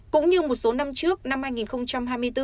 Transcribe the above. cũng như một số năm trước năm hai nghìn hai mươi bốn